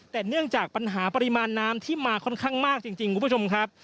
แต่เนื่องจากปัญหาปริมาณน้ำที่มาค่อนข้างมากจริงคุณผู้ชมครับ